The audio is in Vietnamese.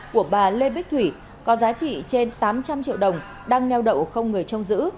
của bà lê bích thủy có giá trị trên tám trăm linh triệu đồng đang neo đậu không người trông giữ